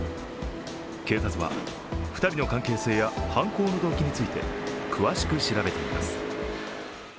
警察は２人の関係性や犯行の動機について詳しく調べています。